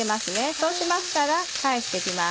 そうしましたら返して行きます。